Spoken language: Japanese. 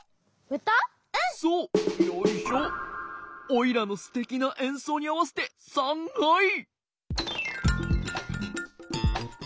オイラのすてきなえんそうにあわせてさんはい！